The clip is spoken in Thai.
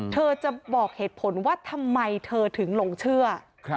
เธอจะบอกเหตุผลว่าทำไมเธอถึงหลงเชื่อ